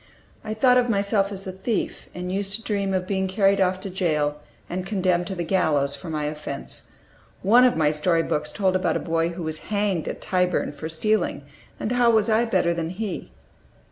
I thought of myself as a thief, and used to dream of being carried off to jail and condemned to the gallows for my offense: one of my story books told about a boy who was hanged at Tyburn for stealing, and how was I better than he?